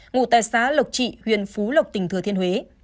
ngụ tại xá lộc trị huyện phú lộc tỉnh thừa thiên huế